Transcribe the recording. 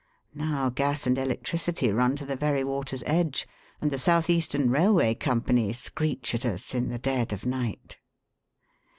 Now, gas and electricity run to the very water's edge, and the South Eastern Railway Company screech at us in the dead of night.